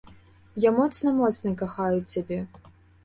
Я моцна-моцна кахаю цябе!!!